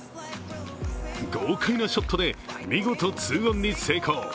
豪快なショットで見事２オンに成功。